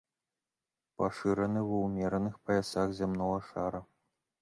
Пашыраны ва ўмераных паясах зямнога шара.